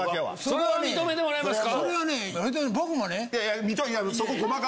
それは認めてもらえますか？